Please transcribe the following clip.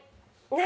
何？